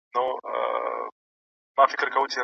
افغانان غالیو ته بې احترامي نه کوي.